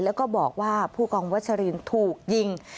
แล้วก็บอกว่าผู้กองวัชรินถูกยิง